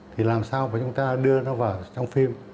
thì làm sao mà chúng ta đưa nó vào trong phim